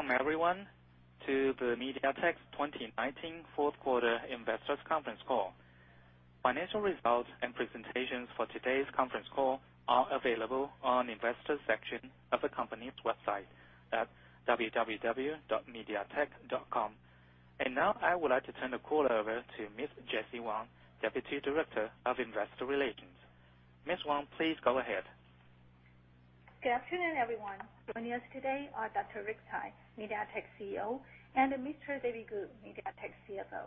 Welcome everyone to the MediaTek's 2019 fourth quarter investors conference call. Financial results and presentations for today's conference call are available on investor section of the company's website at www.mediatek.com. Now I would like to turn the call over to Miss Jessie Wang, Deputy Director of Investor Relations. Miss Wang, please go ahead. Good afternoon, everyone. Joining us today are Dr. Rick Tsai, MediaTek CEO, and Mr. David Ku, MediaTek CFO.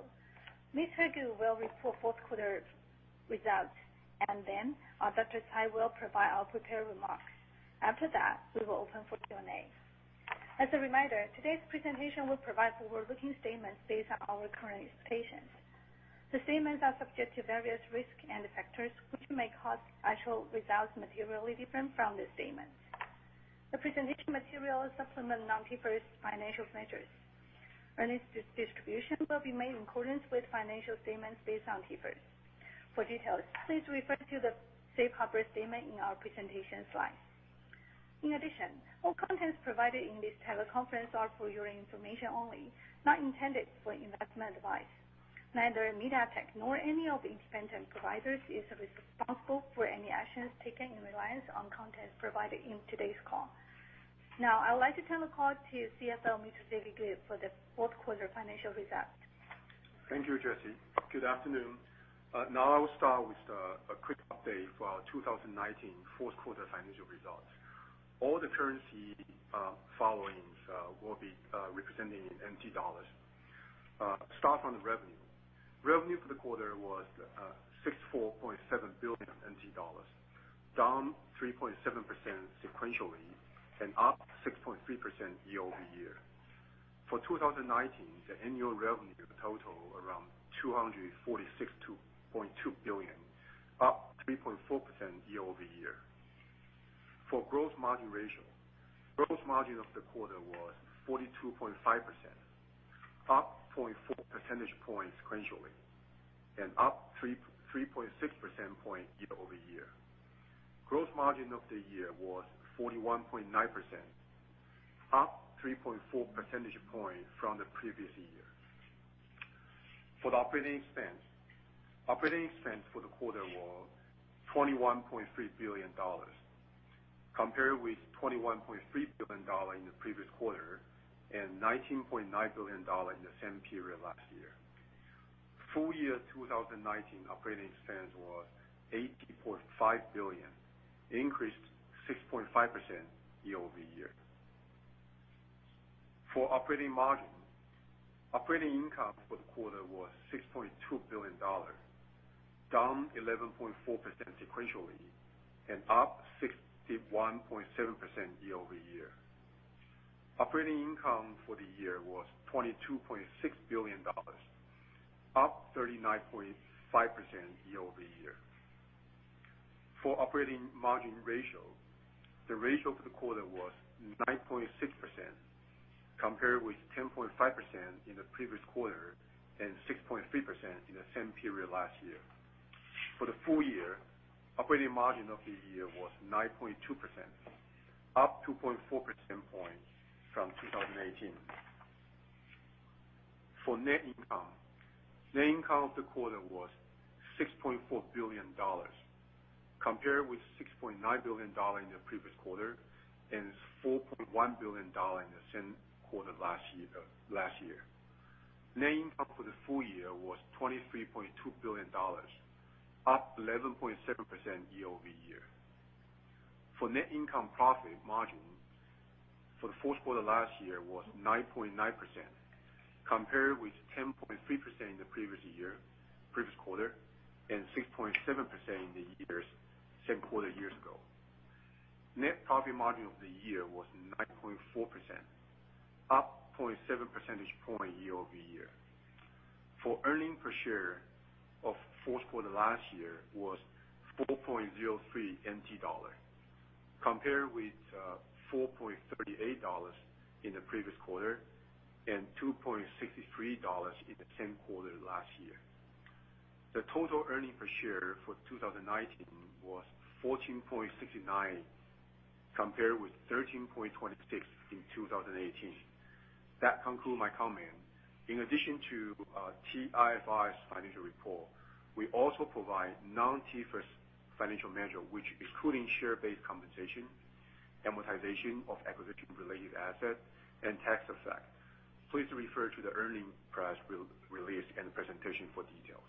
Mr. Ku will report fourth quarter results, then Dr. Tsai will provide our prepared remarks. After that, we will open for Q&A. As a reminder, today's presentation will provide forward-looking statements based on our current expectations. The statements are subject to various risk and factors which may cause actual results materially different from the statements. The presentation material supplement non-T-IFRS financial measures. Earnings distribution will be made in accordance with financial statements based on T-IFRS. For details, please refer to the safe harbor statement in our presentation slide. In addition, all contents provided in this teleconference are for your information only, not intended for investment advice. Neither MediaTek nor any of the independent providers is responsible for any actions taken in reliance on content provided in today's call. Now, I would like to turn the call to CFO, Mr. David Ku, for the fourth quarter financial results. Thank you, Jessie. Good afternoon. I will start with a quick update for our 2019 fourth quarter financial results. All the currency followings will be represented in TWD. Start on the revenue. Revenue for the quarter was 64.7 billion NT dollars, down 3.7% sequentially and up 6.3% year-over-year. For 2019, the annual revenue total around 246.2 billion, up 3.4% year-over-year. For gross margin ratio, gross margin of the quarter was 42.5%, up 0.4 percentage points sequentially, and up 3.6% point year-over-year. Gross margin of the year was 41.9%, up 3.4 percentage points from the previous year. For the operating expense, operating expense for the quarter was 21.3 billion dollars compared with 21.3 billion dollars in the previous quarter and 19.9 billion dollars in the same period last year. Full year 2019 operating expense was 80.5 billion, increased 6.5% year-over-year. For operating margin, operating income for the quarter was 6.2 billion dollars, down 11.4% sequentially and up 61.7% year-over-year. Operating income for the year was 22.6 billion dollars, up 39.5% year-over-year. For operating margin ratio, the ratio for the quarter was 9.6%, compared with 10.5% in the previous quarter and 6.3% in the same period last year. For the full year, operating margin of the year was 9.2%, up 2.4% points from 2018. For net income, net income of the quarter was 6.4 billion dollars compared with 6.9 billion dollars in the previous quarter and 4.1 billion dollars in the same quarter last year. Net income for the full year was 23.2 billion dollars, up 11.7% year-over-year. For net income profit margin, for the fourth quarter last year was 9.9%, compared with 10.3% the previous quarter and 6.7% in the same quarter years ago. Net profit margin of the year was 9.4%, up 0.7 percentage point year-over-year. For earning per share of fourth quarter last year was 4.03 NT dollar, compared with 4.38 dollars in the previous quarter and 2.63 dollars in the same quarter last year. The total earning per share for 2019 was 14.69, compared with 13.26 in 2018. That conclude my comment. In addition to T-IFRS financial report, we also provide non-T-IFRS financial measure, which including share-based compensation, amortization of acquisition-related assets, and tax effect. Please refer to the earning press release and presentation for details.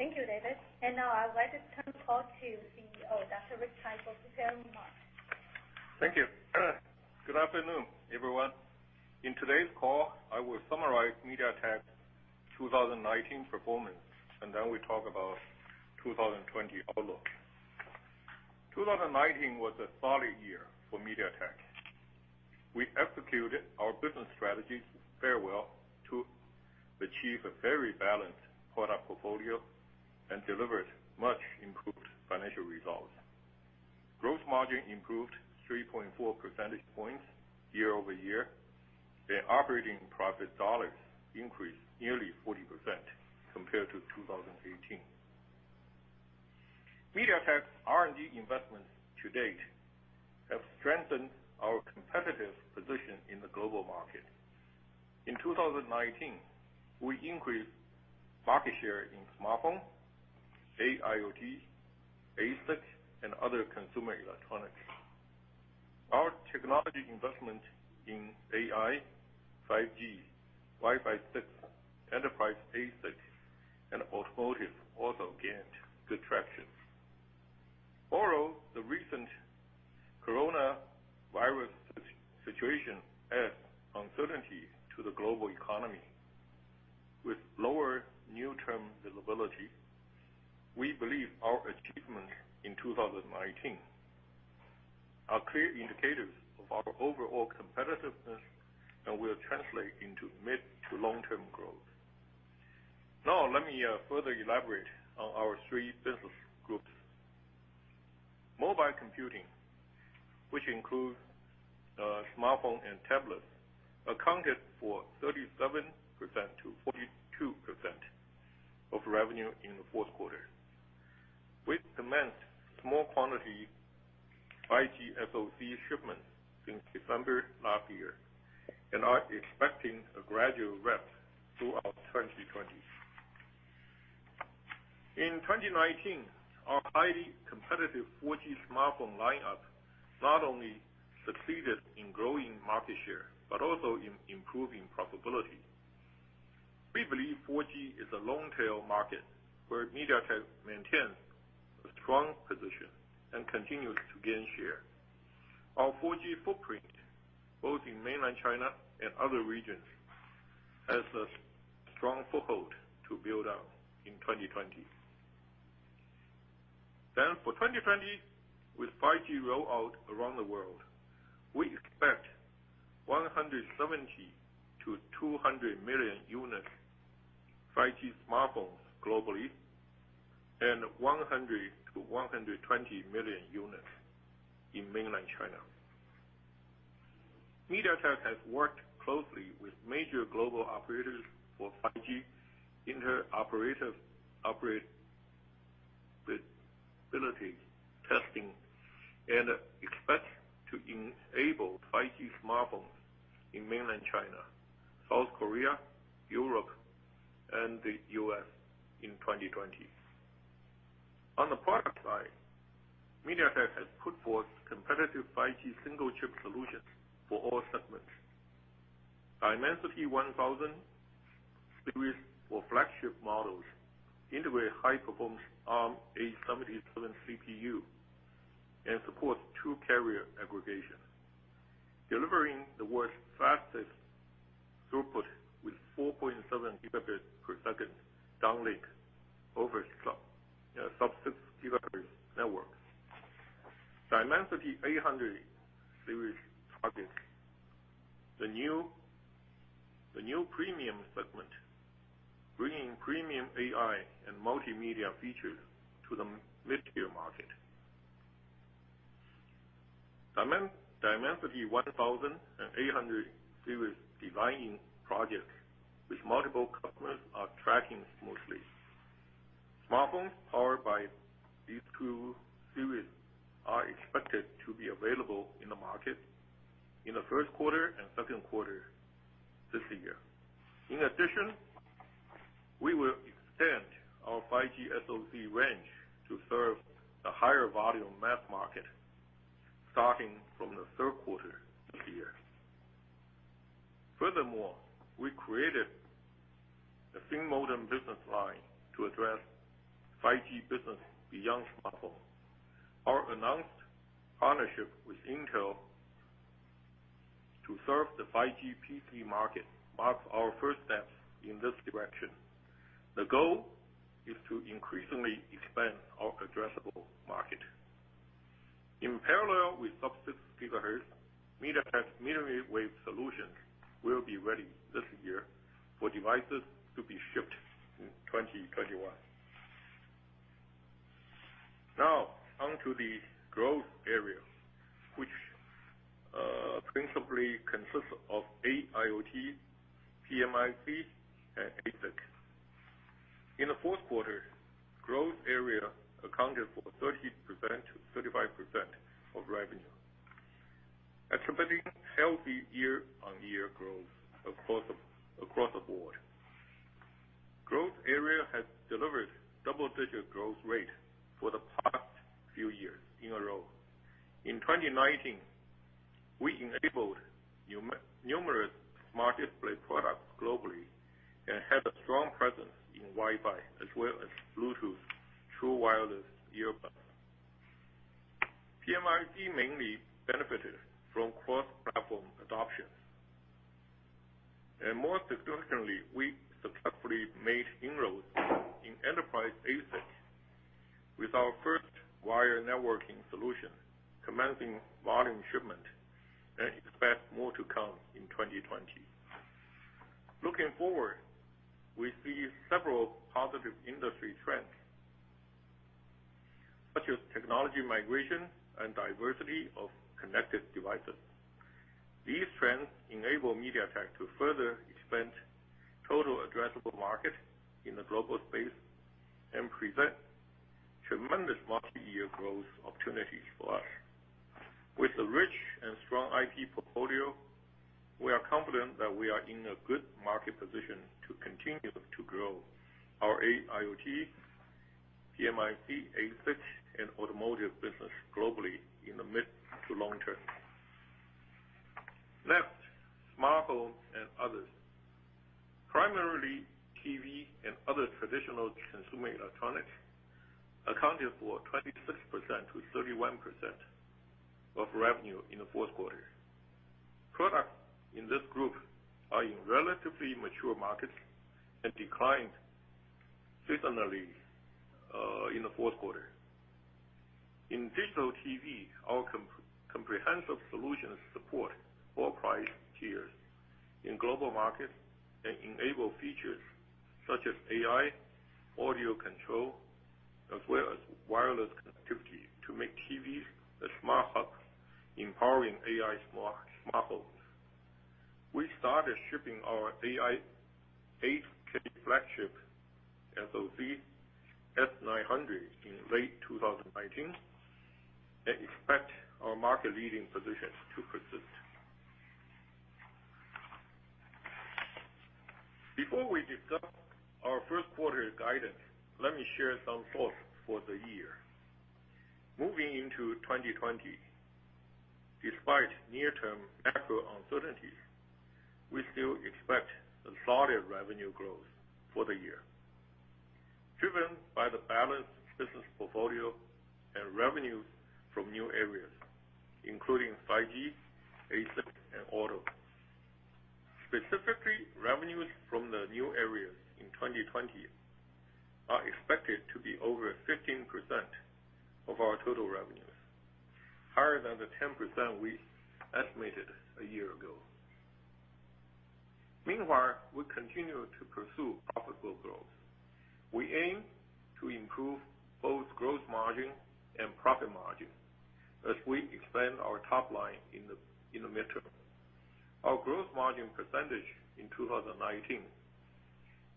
Thank you, David. Now I would like to turn the call to CEO, Dr. Rick Tsai, for prepared remarks. Thank you. Good afternoon, everyone. In today's call, I will summarize MediaTek's 2019 performance, and then we talk about 2020 outlook. 2019 was a solid year for MediaTek. We executed our business strategies very well to achieve a very balanced product portfolio and delivered much improved financial results. Gross margin improved 3.4 percentage points year-over-year. The operating profit dollars increased nearly 40% compared to 2018. MediaTek's R&D investments to date have strengthened our competitive position in the global market. In 2019, we increased market share in smartphone, AIoT, ASIC, and other consumer electronics. Our technology investment in AI, 5G, Wi-Fi 6, enterprise ASIC, and automotive also gained good traction. The recent coronavirus situation adds uncertainty to the global economy with lower new term visibility, we believe our achievement in 2019 are clear indicators of our overall competitiveness and will translate into mid to long-term growth. Let me further elaborate on our three business groups. Mobile computing, which includes smartphone and tablet, accounted for 37%-42% of revenue in the fourth quarter. We commenced small quantity 5G SoC shipments since December last year, and are expecting a gradual ramp throughout 2020. In 2019, our highly competitive 4G smartphone lineup not only succeeded in growing market share, but also in improving profitability. We believe 4G is a long-tail market where MediaTek maintains a strong position and continues to gain share. Our 4G footprint, both in mainland China and other regions, has a strong foothold to build on in 2020. For 2020, with 5G rollout around the world, we expect 170 million-200 million units 5G smartphones globally, and 100 million-120 million units in mainland China. MediaTek has worked closely with major global operators for 5G inter-operator operability testing and expect to enable 5G smartphones in mainland China, South Korea, Europe, and the U.S. in 2020. On the product side, MediaTek has put forth competitive 5G single chip solutions for all segments. Dimensity 1000 series for flagship models integrate high-performance Arm Cortex-A77 CPU and supports two-carrier aggregation, delivering the world's fastest throughput with 4.7 Gb per second downlink over Sub-6 GHz network. Dimensity 800 series targets the new premium segment, bringing premium AI and multimedia features to the mid-tier market. Dimensity 1000 and 800 series designing projects with multiple customers are tracking smoothly. Smartphones powered by these two series are expected to be available in the market in the first quarter and second quarter this year. In addition, we will extend our 5G SoC range to serve a higher volume mass market, starting from the third quarter this year. Furthermore, we created a standalone modem business line to address 5G business beyond smartphone. Our announced partnership with Intel to serve the 5G PC market marks our first steps in this direction. The goal is to increasingly expand our addressable market. In parallel with Sub-6 GHz, MediaTek's mmWave solution will be ready this year for devices to be shipped in 2021. Now on to the growth area, which principally consists of AIoT, PMIC, and ASIC. In the fourth quarter, growth area accounted for 30%-35% of revenue, attributing healthy year-on-year growth across the board. Growth area has delivered double-digit growth rate for the past few years in a row. In 2019, we enabled numerous smart display products globally and have a strong presence in Wi-Fi as well as Bluetooth true wireless earbuds. PMIC mainly benefited from cross-platform adoptions. Most significantly, we successfully made inroads in enterprise ASIC with our first wired networking solution, commencing volume shipment, and expect more to come in 2020. Looking forward, we see several positive industry trends, such as technology migration and diversity of connected devices. These trends enable MediaTek to further expand total addressable market in the global space and present tremendous multi-year growth opportunities for us. With a rich and strong IP portfolio, we are confident that we are in a good market position to continue to grow our AIoT, PMIC, ASIC, and automotive business globally in the mid to long term. Smart home and others. Primarily TV and other traditional consumer electronics accounted for 26%-31% of revenue in the fourth quarter. Products in this group are in relatively mature markets and declined seasonally in the fourth quarter. In digital TV, our comprehensive solutions support all price tiers in global markets and enable features such as AI, audio control, as well as wireless connectivity to make TVs the smart hubs empowering AI smart homes. We started shipping our AI 8K flagship SoC S900 in late 2019 and expect our market-leading positions to persist. Before we discuss our first quarter guidance, let me share some thoughts for the year. Moving into 2020, despite near-term macro uncertainties, we still expect a solid revenue growth for the year, driven by the balanced business portfolio and revenues from new areas, including 5G, ASIC, and auto. Specifically, revenues from the new areas in 2020 are expected to be over 15% of our total revenues, higher than the 10% we estimated a year ago. Meanwhile, we continue to pursue profitable growth. We aim to improve both gross margin and profit margin as we expand our top line in the midterm. Our gross margin percentage in 2019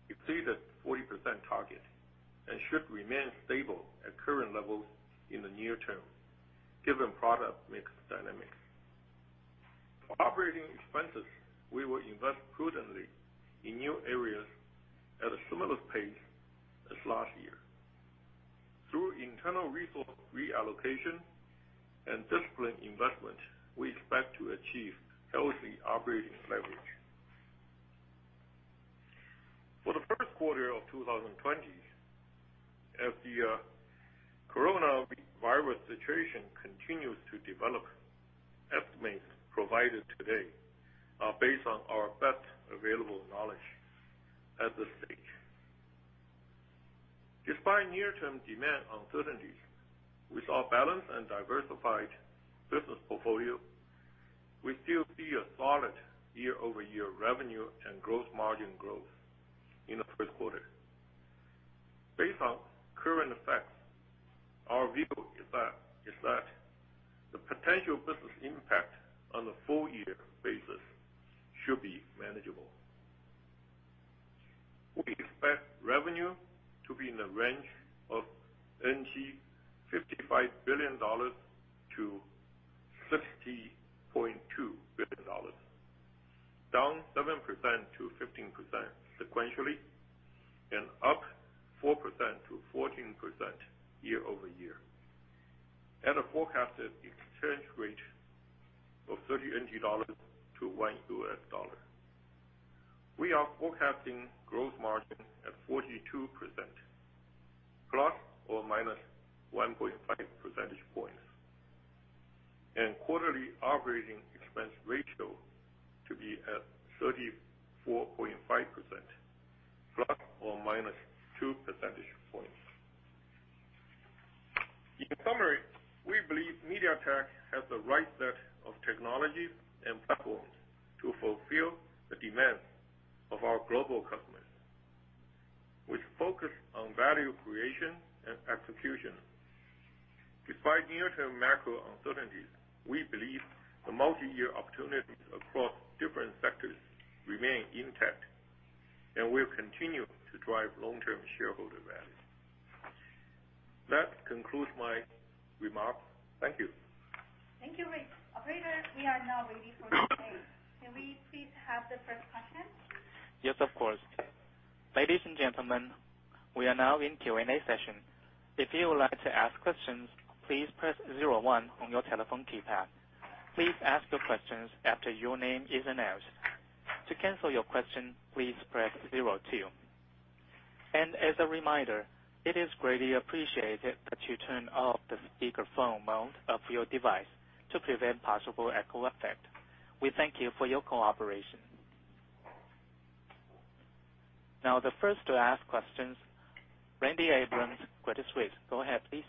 exceeded 40% target and should remain stable at current levels in the near term, given product mix dynamics. For operating expenses, we will invest prudently in new areas at a similar pace as last year. Through internal resource reallocation and disciplined investment, we expect to achieve healthy operating leverage. For the first quarter of 2020, as the coronavirus situation continues to develop, estimates provided today are based on our best available knowledge at this stage. Despite near-term demand uncertainties, with our balanced and diversified business portfolio, we still see a solid year-over-year revenue and growth margin growth in the first quarter. Based on current effects, our view is that the potential business impact on the full year basis should be manageable. We expect revenue to be in the range of 55 billion-50.2 billion NT dollars, down 7%-15% sequentially and up 4%-14% year-over-year, at a forecasted exchange rate of 30 NT dollars to one US dollar. We are forecasting growth margin at 42%, ±1.5 percentage points, and quarterly operating expense ratio to be at 34.5%, ±2 percentage points. In summary, we believe MediaTek has the right set of technologies and platforms to fulfill the demands of our global customers. We focus on value creation and execution. Despite near-term macro uncertainties, we believe the multi-year opportunities across different sectors remain intact, and we'll continue to drive long-term shareholder value. That concludes my remarks. Thank you. Thank you, Rick. Operator, we are now ready for Q&A. Can we please have the first question? Yes, of course. Ladies and gentlemen, we are now in Q&A session. If you would like to ask questions, please press zero one on your telephone keypad. Please ask your questions after your name is announced. To cancel your question, please press zero two. As a reminder, it is greatly appreciated that you turn off the speakerphone mode of your device to prevent possible echo effect. We thank you for your cooperation. The first to ask questions, Randy Abrams, Credit Suisse. Go ahead, please.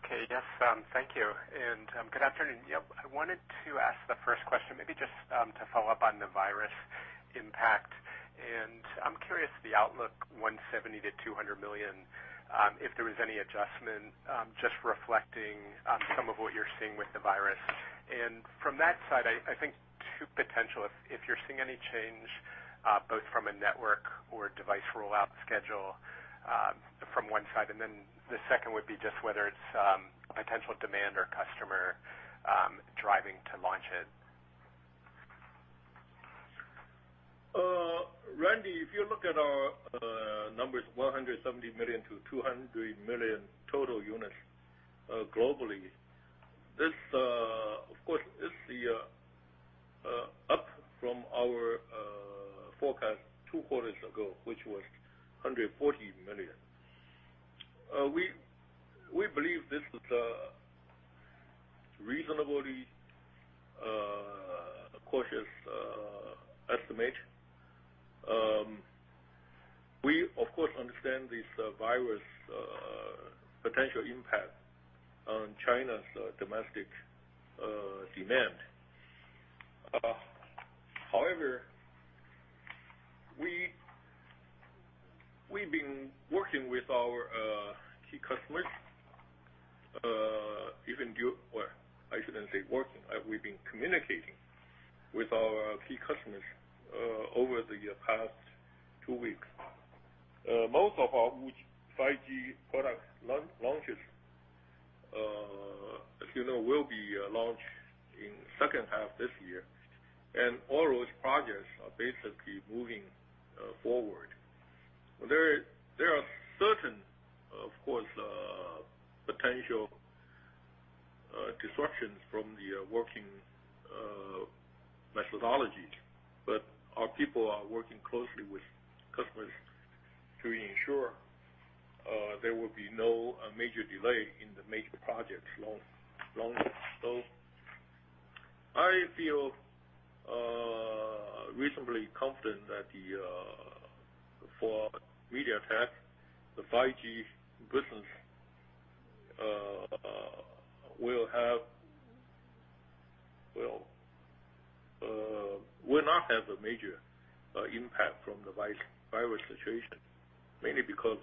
Okay. Yes. Thank you. Good afternoon. I wanted to ask the first question, maybe just to follow up on the coronavirus impact. I'm curious, the outlook 170 million-200 million, if there was any adjustment, just reflecting on some of what you're seeing with the coronavirus. From that side, I think two potential, if you're seeing any change, both from a network or device rollout schedule, from one side. The second would be just whether it's potential demand or customer driving to launch it. Randy, if you look at our numbers, 170 million-200 million total units globally. This, of course, is up from our forecast two quarters ago, which was 140 million. We believe this is a reasonably cautious estimate. We, of course, understand this coronavirus' potential impact on China's domestic demand. We've been working with our key customers. Well, I shouldn't say working. We've been communicating with our key customers over the past two weeks. Most of our 5G product launches, as you know, will be launched in the second half of this year. All those projects are basically moving forward. There are certain, of course, potential disruptions from the working methodologies. Our people are working closely with customers to ensure there will be no major delay in the major projects launch. I feel reasonably confident that, for MediaTek, the 5G business will not have a major impact from the virus situation, mainly because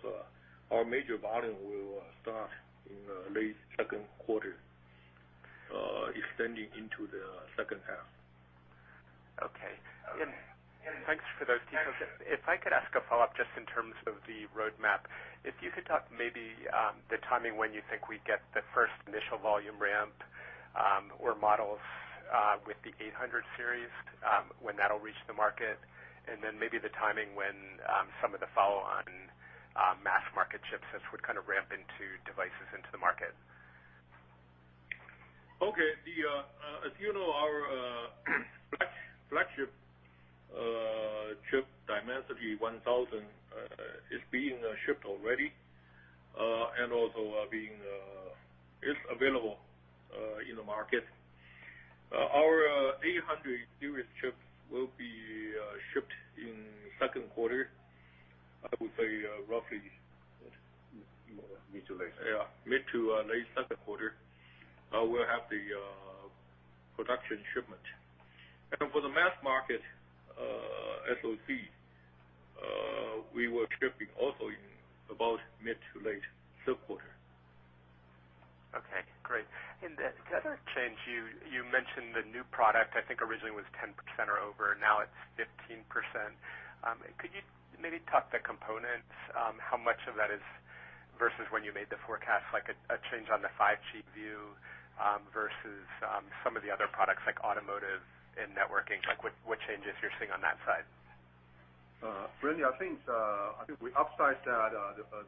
our major volume will start in late second quarter, extending into the second half. Okay. Thanks for those details. If I could ask a follow-up, just in terms of the roadmap. If you could talk maybe the timing when you think we'd get the first initial volume ramp, or models with the 800 series, when that'll reach the market, and then maybe the timing when some of the follow-on mass market chipsets would kind of ramp into devices into the market. Okay. As you know, our flagship chip, Dimensity 1000, is being shipped already and also is available in the market. Our 800 series chips will be shipped in the second quarter. Mid to late. Mid to late second quarter, we'll have the production shipment. For the mass market SoC, we will be shipping also in about mid to late third quarter. Okay, great. The other change, you mentioned the new product, I think originally was 10% or over, now it's 15%. Could you maybe talk the components, how much of that is, versus when you made the forecast, like a change on the 5G view, versus some of the other products like automotive and networking, like what changes you're seeing on that side? Randy, I think we upsized that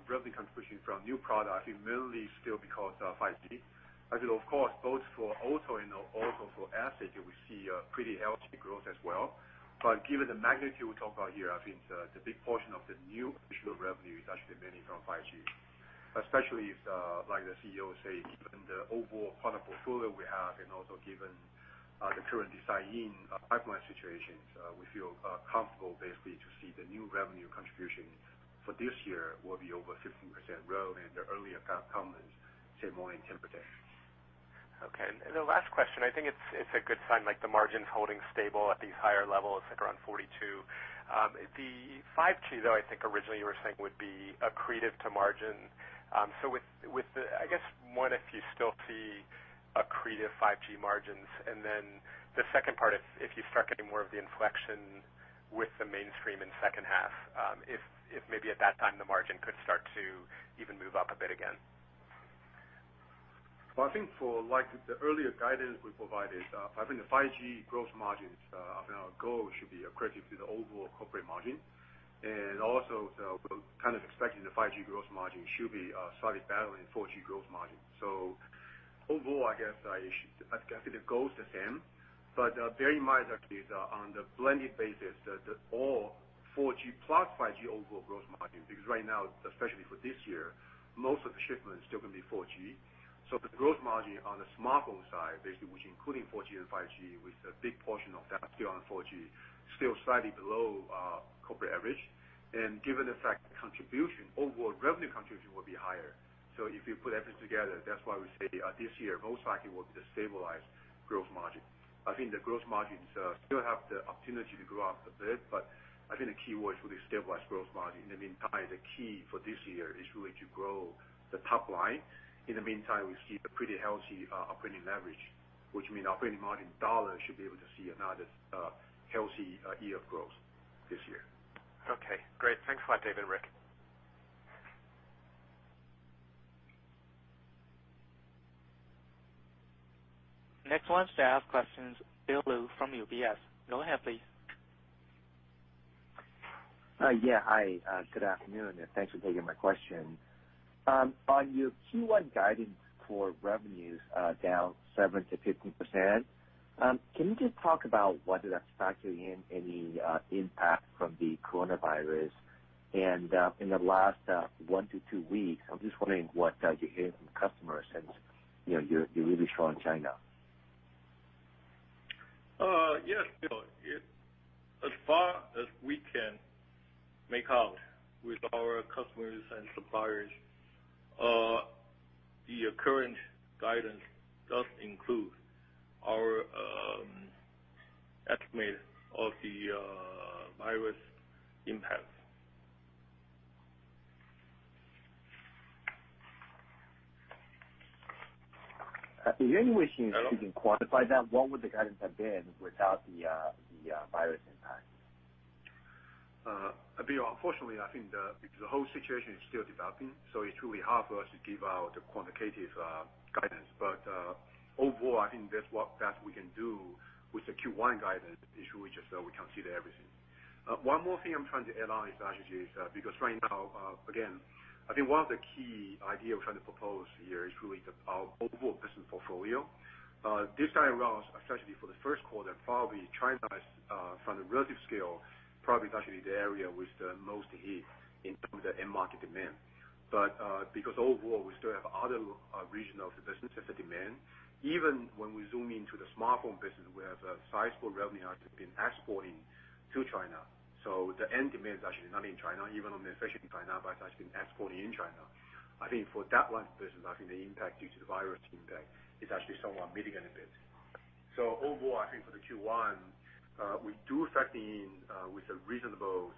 revenue contribution from new product mainly still because of 5G. As you know, of course, both for auto and also for ASIC, we see a pretty healthy growth as well. Given the magnitude we talk about here, I think the big portion of the new additional revenue is actually mainly from 5G. Especially if, like the CEO was saying, given the overall product portfolio we have and also given the current design-in pipeline situations, we feel comfortable basically to see the new revenue contribution for this year will be over 15% growth, and the earlier guidance comments say more than 10%. Okay. The last question, I think it's a good sign, like the margins holding stable at these higher levels, like around 42%. The 5G, though, I think originally you were saying would be accretive to margin. I guess, one, if you still see accretive 5G margins, and then the second part, if you start getting more of the inflection with the mainstream in the second half, if maybe at that time the margin could start to even move up a bit again? Well, I think for the earlier guidance we provided, I think the 5G growth margins, I think our goal should be accretive to the overall corporate margin. Also, we're kind of expecting the 5G growth margin should be slightly better than 4G growth margin. Overall, I guess the goal is the same, but bear in mind actually, on the blended basis, all 4G plus 5G overall growth margin, because right now, especially for this year, most of the shipments still going to be 4G. The growth margin on the smartphone side, basically, which including 4G and 5G, with a big portion of that still on 4G, still slightly below corporate average. Given the fact contribution, overall revenue contribution will be higher. If you put everything together, that's why we say this year, most likely will be the stabilized growth margin. I think the gross margins still have the opportunity to go up a bit, but I think the keyword is really stabilized gross margin. In the meantime, the key for this year is really to grow the top line. In the meantime, we see a pretty healthy operating leverage, which means operating margin dollars should be able to see another healthy year of growth this year. Okay, great. Thanks a lot, David and Rick. Next one, staff questions, Bill Lu from UBS. Go ahead, please. Yeah. Hi, good afternoon, thanks for taking my question. On your Q1 guidance for revenues, down 7%-15%, can you just talk about whether that's factoring in any impact from the coronavirus? In the last one to two weeks, I'm just wondering what you're hearing from customers, since you're really strong in China. Yes, Bill. As far as we can make out with our customers and suppliers, the current guidance does include our estimate of the virus impact. Is there any way you can quantify that? What would the guidance have been without the virus impact? Bill, unfortunately, I think the whole situation is still developing, so it's really hard for us to give out a quantitative guidance. Overall, I think that's what we can do with the Q1 guidance issue, which is that we consider everything. One more thing I'm trying to add on is actually, because right now, again, I think one of the key idea we're trying to propose here is really our overall business portfolio. This time around, especially for the first quarter, probably China, from the relative scale, probably is actually the area with the most hit in terms of end market demand. Because overall, we still have other regional business demand. Even when we zoom into the smartphone business, we have a sizable revenue has been exporting to China. The end demand is actually not in China, even on the China, but it's actually been exporting in China. I think for that one business, I think the impact due to the virus impact is actually somewhat mitigated a bit. Overall, I think for the Q1, we do factor in with a reasonable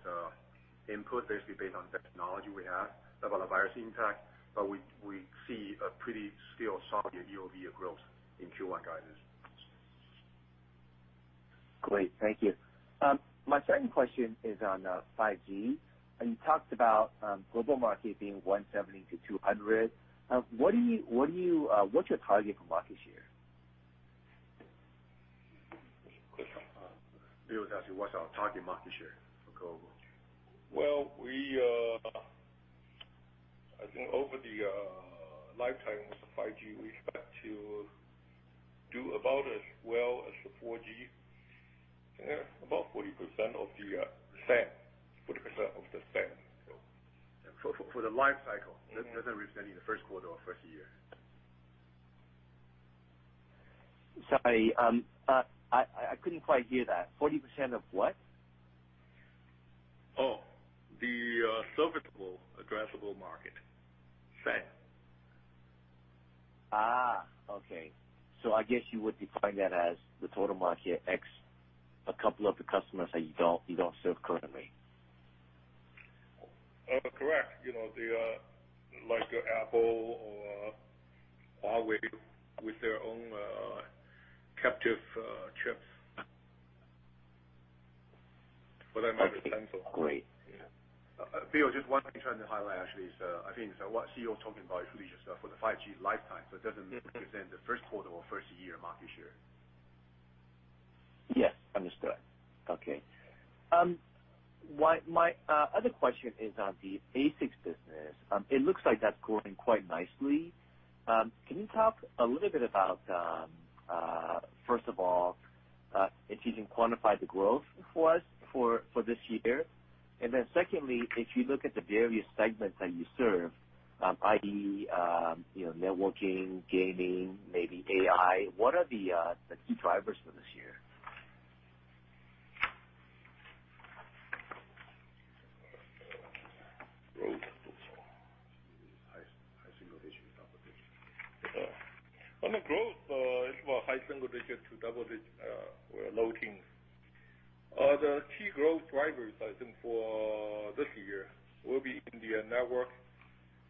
input basically based on technology we have about the virus impact, but we see a pretty still solid year-over-year growth in Q1 guidance. Great. Thank you. My second question is on 5G. You talked about global market being 170 to 200. What's your target for market share? Bill is asking what's our target market share for global. Well, I think over the lifetime of 5G, we expect to do about as well as the 4G. About 40% of the SAM. For the life cycle. That doesn't represent the first quarter or first year. Sorry, I couldn't quite hear that. 40% of what? Oh, the serviceable addressable market, SAM. Okay. I guess you would define that as the total market ex a couple of the customers that you don't serve currently. Correct. Like Apple or Huawei with their own captive chips. I might be wrong. Okay. Great. Bill, just one thing I'm trying to highlight actually is, I think what CEO is talking about is really just for the 5G lifetime. It doesn't represent the first quarter or first year market share. Yes, understood. Okay. My other question is on the ASIC business. It looks like that's growing quite nicely. Can you talk a little bit about, first of all, if you can quantify the growth for us for this year? Secondly, if you look at the various segments that you serve, i.e., networking, gaming, maybe AI, what are the key drivers for this year? Growth. High single digit, double digit. On the growth, it's more high single digit to double digit low teens. The key growth drivers, I think, for this year will be in the network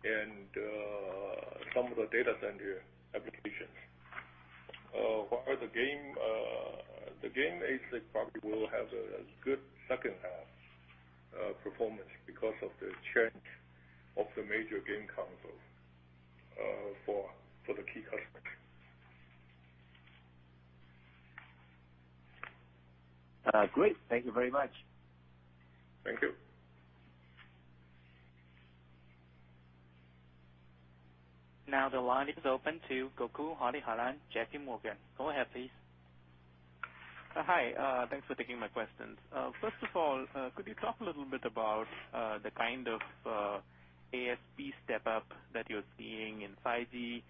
and some of the data center applications. For the game, the game ASICS probably will have a good second half performance because of the change of the major game console for the key customer. Great. Thank you very much. Thank you. Now the line is open to Gokul Hariharan, JPMorgan. Go ahead, please. Hi. Thanks for taking my questions. First of all, could you talk a little bit about the kind of ASP step up that you're seeing in 5G,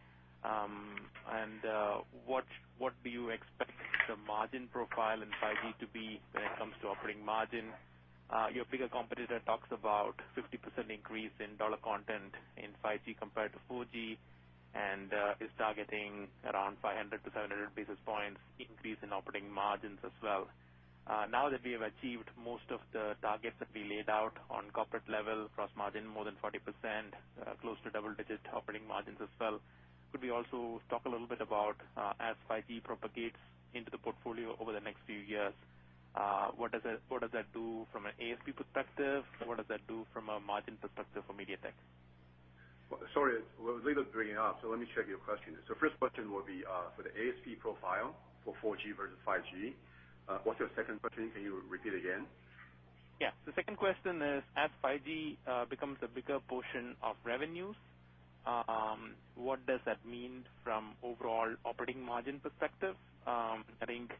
and what do you expect the margin profile in 5G to be when it comes to operating margin? Your bigger competitor talks about 50% increase in dollar content in 5G compared to 4G, and is targeting around 500-700 basis points increase in operating margins as well. Now that we have achieved most of the targets that we laid out on corporate level, gross margin more than 40%, close to double-digit operating margins as well. Could we also talk a little bit about, as 5G propagates into the portfolio over the next few years, what does that do from an ASP perspective? What does that do from a margin perspective for MediaTek? Sorry, I was a little breaking up, so let me check your question. First question will be for the ASP profile for 4G versus 5G. What's your second question? Can you repeat again? Yeah. Second question is, as 5G becomes a bigger portion of revenues, what does that mean from overall operating margin perspective? I think,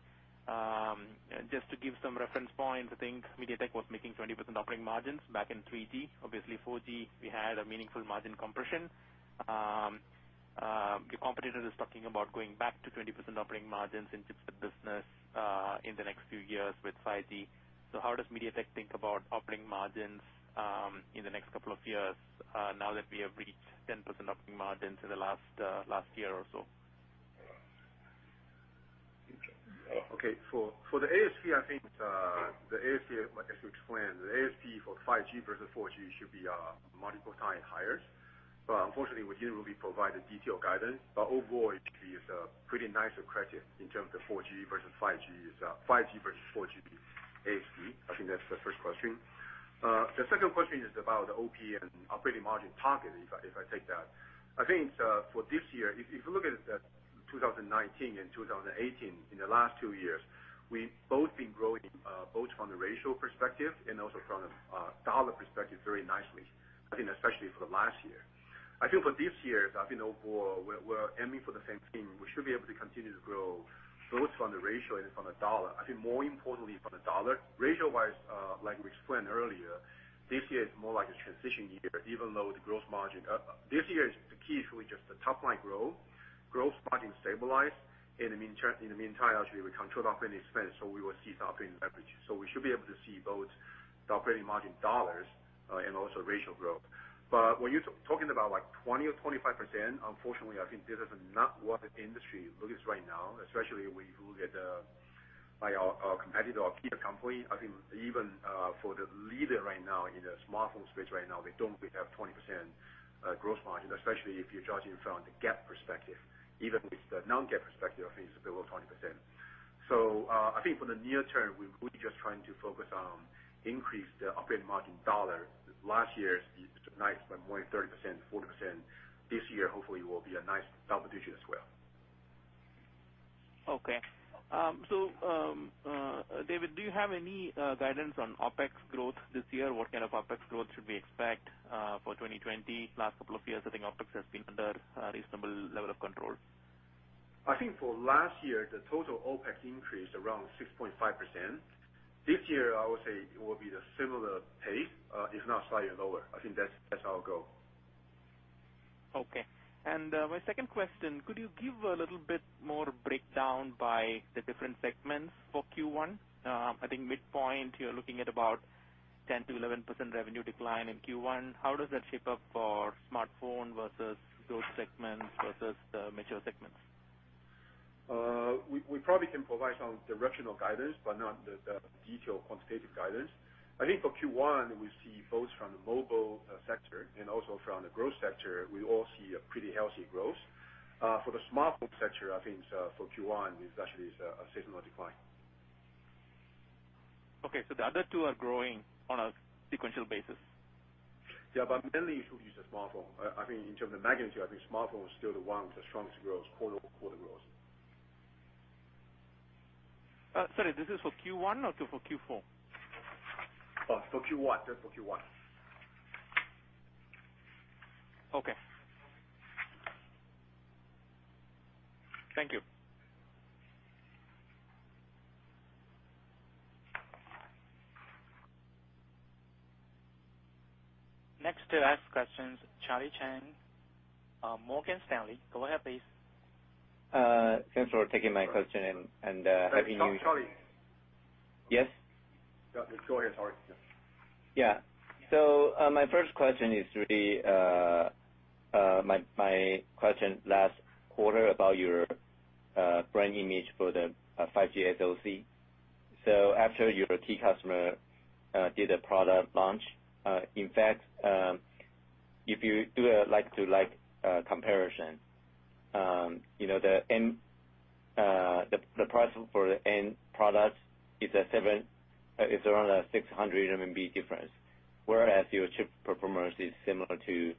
just to give some reference points, I think MediaTek was making 20% operating margins back in 3G. Obviously, 4G, we had a meaningful margin compression. Your competitor is talking about going back to 20% operating margins in chipset business, in the next few years with 5G. How does MediaTek think about operating margins, in the next couple of years, now that we have reached 10% operating margin to the last year or so? Okay. For the ASP, the ASP, like I just explained, the ASP for 5G versus 4G should be multiple time higher. Unfortunately, we generally provide a detailed guidance. Overall, it gives a pretty nice credit in terms of 4G versus 5G versus 4G ASP. That's the first question. The second question is about the OpEx and operating margin target, if I take that. For this year, if you look at the 2019 and 2018, in the last two years, we've both been growing, both from the ratio perspective and also from a dollar perspective very nicely. Especially for the last year. For this year, overall, we're aiming for the same thing. We should be able to continue to grow both from the ratio and from the dollar. More importantly from the dollar. Ratio wise, like we explained earlier, this year is more like a transition year even though the gross margin this year is the key for just the top line growth, gross margin stabilize. In the meantime, actually, we control our operating expense. We will see some operating leverage. We should be able to see both the operating margin dollars, and also ratio growth. When you're talking about 20 or 25%, unfortunately, I think this is not what the industry looks right now, especially when you look at our competitor, our peer company. I think even for the leader right now in the smartphone space right now, they don't have 20% gross margin, especially if you're judging from the GAAP perspective. Even with the non-GAAP perspective, I think it's below 20%. I think for the near term, we're just trying to focus on increase the operating margin dollar. Last year's is nice by more than 30%, 40%. This year, hopefully, will be a nice double digit as well. Okay. David, do you have any guidance on OpEx growth this year? What kind of OpEx growth should we expect for 2020? Last couple of years, I think OpEx has been under a reasonable level of control. I think for last year, the total OpEx increased around 6.5%. This year, I would say it will be the similar pace, if not slightly lower. I think that's how it will go. Okay. My second question, could you give a little bit more breakdown by the different segments for Q1? I think midpoint, you're looking at about 10%-11% revenue decline in Q1. How does that shape up for smartphone versus growth segments versus the mature segments? We probably can provide some directional guidance, but not the detailed quantitative guidance. I think for Q1, we see both from the mobile sector and also from the growth sector, we all see a pretty healthy growth. For the smartphone sector, I think, for Q1 is actually a seasonal decline. Okay, the other two are growing on a sequential basis? Yeah, mainly it will be the smartphone. I think in terms of magnitude, I think smartphone was still the one with the strongest growth, quarter-over-quarter growth. Sorry, this is for Q1 or for Q4? For Q1. That's for Q1. Okay. Thank you. Next to ask questions, Charlie Chan, Morgan Stanley. Go ahead, please. Thanks for taking my question and having me. Sorry. Yes? Yeah. Go ahead. Sorry. Yeah. My first question is really my question last quarter about your brand image for the 5G SoC. After your key customer did a product launch, in fact, if you do a like to like comparison, the price for the end product is around 600 difference, whereas your chip performance is similar to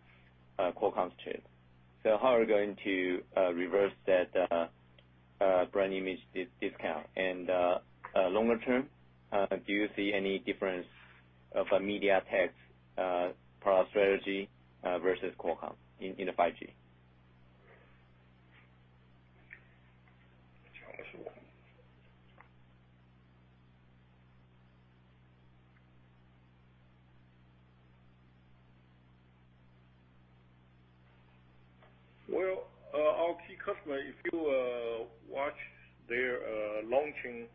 Qualcomm's chip. How are we going to reverse that brand image discount? Longer term, do you see any difference of a MediaTek's product strategy versus Qualcomm in the 5G? Well, our key customer, if you watch their launching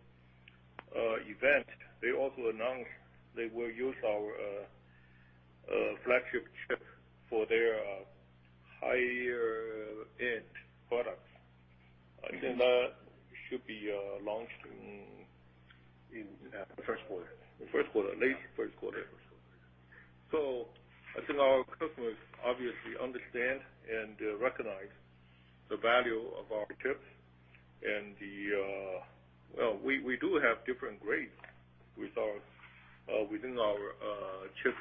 event, they also announced they will use our flagship chip for their higher-end products. In first quarter. In first quarter, late first quarter. Late first quarter. I think our customers obviously understand and recognize the value of our chips. We do have different grades within our chip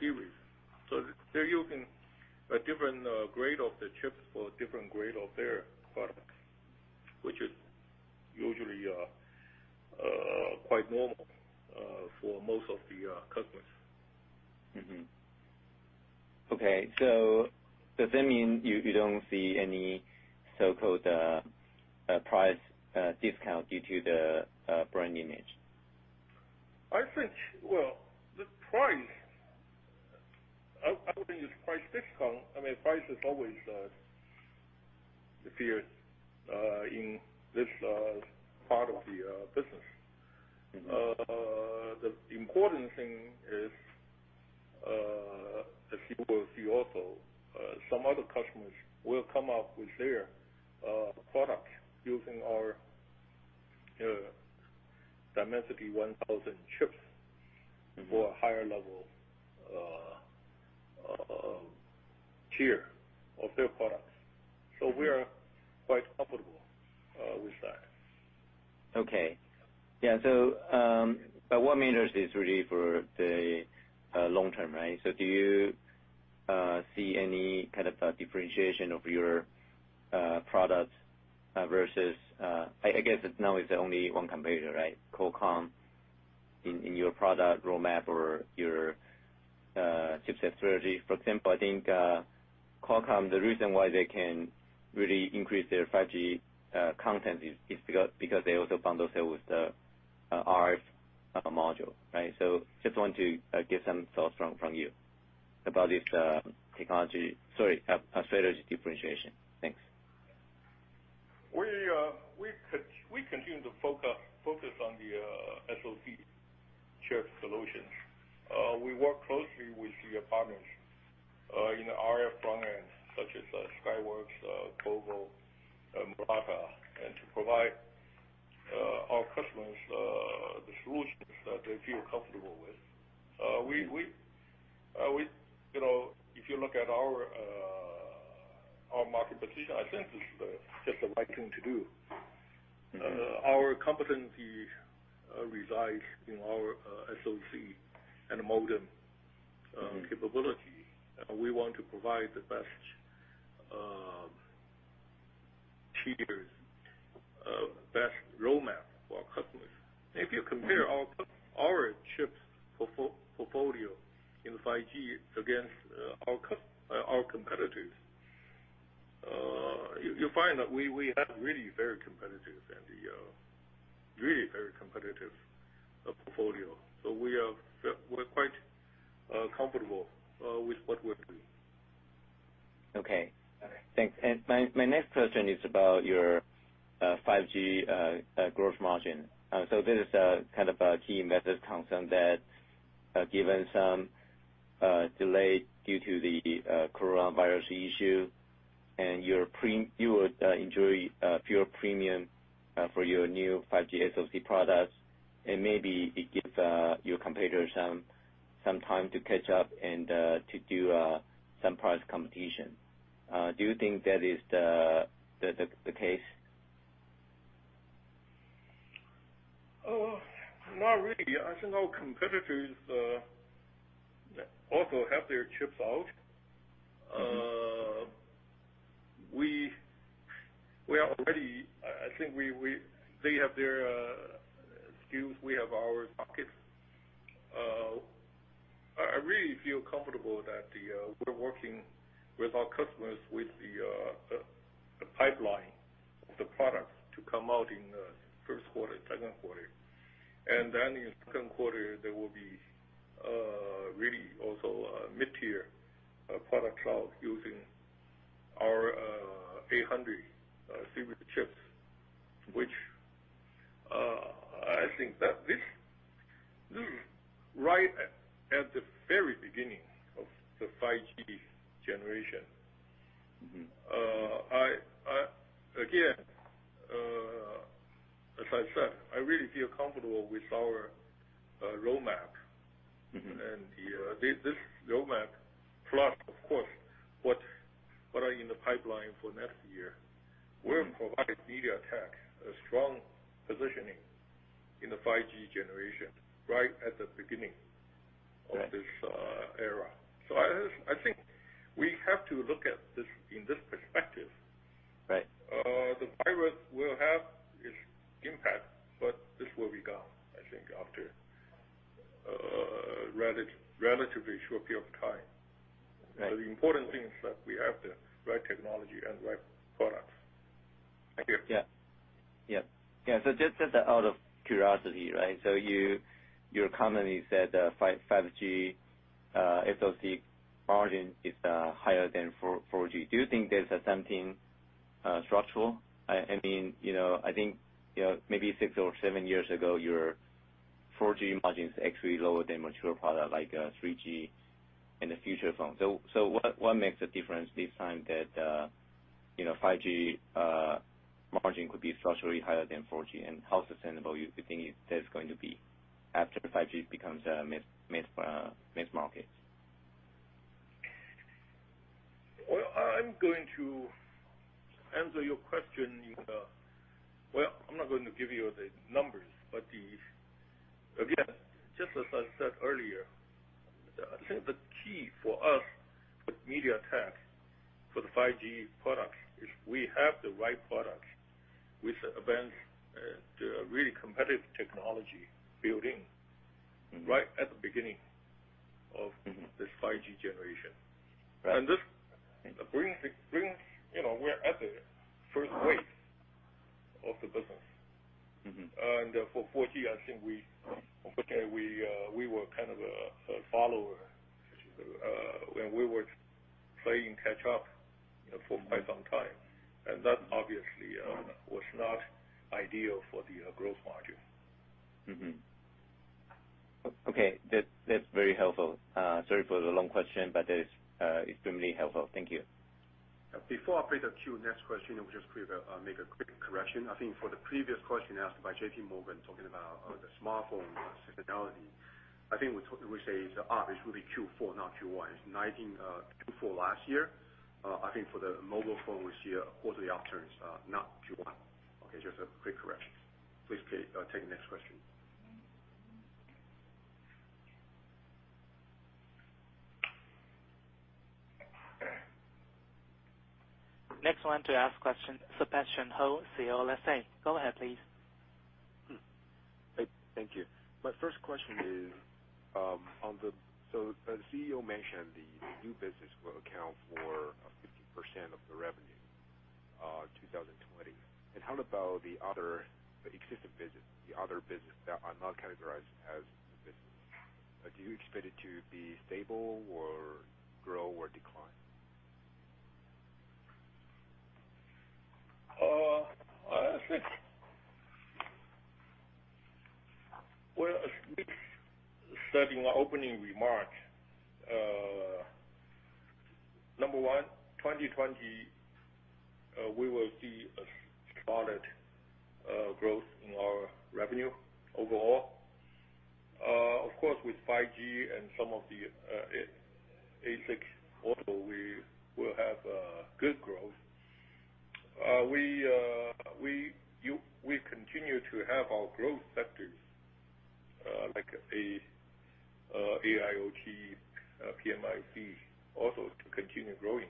series. They're using a different grade of the chips for different grade of their products, which is usually quite normal for most of the customers. Okay. Does that mean you don't see any so-called price discount due to the brand image? I think, well, the price. I wouldn't use price discount. Price is always appeared in this part of the business. The important thing is, as you will see also, some other customers will come out with their product using our Dimensity 1000 chips. For a higher level tier of their products. We are quite comfortable with that. Okay. Yeah. What matters is really for the long term, right? Do you see any kind of differentiation of your product versus, I guess now it's only one competitor, right? Qualcomm, in your product roadmap or your chip strategy. For example, I think Qualcomm, the reason why they can really increase their 5G content is because they also bundle the RF module. Right? Just want to get some thoughts from you about this technology, sorry, strategy differentiation. Thanks. We continue to focus on the SoC chip solutions. We work closely with the partners in the RF front end, such as Skyworks, Qorvo, Murata, and to provide our customers the solutions that they feel comfortable with. If you look at our market position, I think this is just the right thing to do. Our competency resides in our SoC and modem capability. We want to provide the best tiers, best roadmap for our customers. If you compare our chips portfolio in 5G against our competitors, you'll find that we have a really very competitive portfolio. We're quite comfortable with what we're doing. Okay. All right. Thanks. My next question is about your 5G gross margin. This is kind of a key investor concern that, given some delay due to the coronavirus issue and you enjoy pure premium for your new 5G SoC products, and maybe it gives your competitor some time to catch up and to do some price competition. Do you think that is the case? Not really. I think our competitors also have their chips out. I think they have their SKUs, we have our products. I really feel comfortable that we're working with our customers with the pipeline of the products to come out in the first quarter, second quarter. In second quarter, there will be really also a mid-tier product out using our 800 series chips, which, right at the very beginning of the 5G generation. As I said, I really feel comfortable with our roadmap. This roadmap plus, of course, what are in the pipeline for next year, will provide MediaTek a strong positioning in the 5G generation right at the beginning of this era. I think we have to look at this in this perspective. Right. The virus will have its impact, but this will be gone, I think, after a relatively short period of time. Right. The important thing is that we have the right technology and right products. Thank you. Yeah. Just out of curiosity, your company said 5G SoC margin is higher than 4G. Do you think there's something structural? I think maybe six or seven years ago, your 4G margin is actually lower than mature product, like 3G in the feature phone. What makes a difference this time that 5G margin could be structurally higher than 4G, and how sustainable you think that's going to be after 5G becomes a mass market? Well, I'm going to answer your question. Well, I'm not going to give you the numbers, but again, just as I said earlier, I think the key for us with MediaTek for the 5G product is we have the right product, with advanced, really competitive technology built in right at the beginning of this 5G generation. Right. We're at the first wave of the business. For 4G, I think we were kind of a follower. We were playing catch up for quite some time, and that obviously was not ideal for the gross margin. Mm-hmm. Okay. That's very helpful. Sorry for the long question, but that is extremely helpful. Thank you. Before I put a queue next question, I will just make a quick correction. I think for the previous question asked by JPMorgan, talking about the smartphone seasonality, I think we say it's up, it should be Q4, not Q1. It's Q4 last year. I think for the mobile phone, we see all the up turns, not Q1. Okay, just a quick correction. Please take next question. Next one to ask question, Sebastian Hou, CLSA. Go ahead, please. Thank you. My first question is, the CEO mentioned the new business will account for 50% of the revenue, 2020. How about the other existing business, the other business that are not categorized as new business? Do you expect it to be stable or grow or decline? Well, as stated in my opening remark, number one, 2020, we will see a solid growth in our revenue overall. Of course, with 5G and some of the ASIC mobile, we will have good growth. We continue to have our growth sectors, like AIoT, PMIC, also to continue growing.